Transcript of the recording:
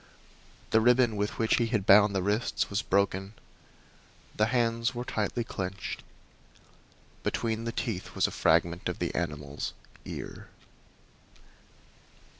The ribbon with which he had bound the wrists was broken; the hands were tightly clenched. Between the teeth was a fragment of the animal's ear.